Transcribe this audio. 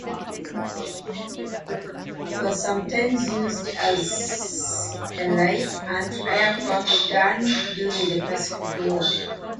It was sometimes used as a light anti-aircraft gun during the Pacific War.